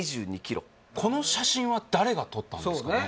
この写真は誰が撮ったんですかね？